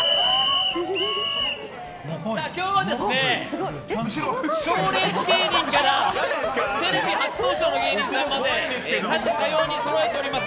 今日はですね賞レース芸人からテレビ初登場の芸人さんまで多種多様にそろえております。